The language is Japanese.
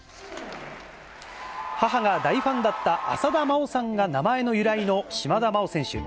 母が大ファンだった浅田真央さんが名前の由来の島田麻央選手。